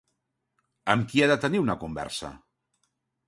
Amb qui ha de tenir una conversa?